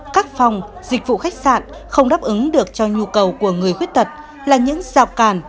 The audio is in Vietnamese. các phòng dịch vụ khách sạn không đáp ứng được cho nhu cầu của người khuyết tật là những rào càn